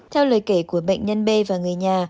theo lời kể của bệnh nhân b và người nhà